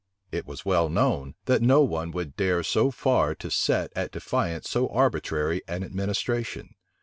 It was well known, that no one would dare so far to set at defiance so arbitrary an administration.